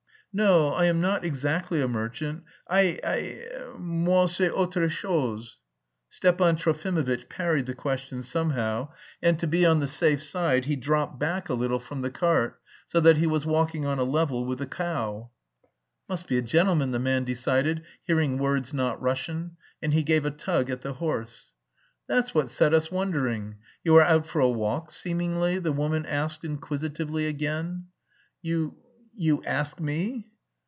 "No, I am not exactly a merchant, I... I... moi c'est autre chose." Stepan Trofimovitch parried the question somehow, and to be on the safe side he dropped back a little from the cart, so that he was walking on a level with the cow. "Must be a gentleman," the man decided, hearing words not Russian, and he gave a tug at the horse. "That's what set us wondering. You are out for a walk seemingly?" the woman asked inquisitively again. "You... you ask me?"